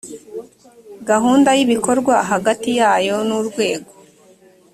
gahunda y ibikorwa hagati yayo n urwego